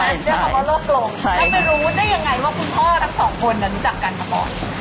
เรียกคำว่าโลกโกรมแล้วไปรู้ได้อย่างไรว่าคุณพ่อทั้งสองคนรู้จักกันก่อน